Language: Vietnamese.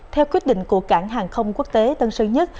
theo quyết định của cảng hàng không quốc tế tân sơn nhất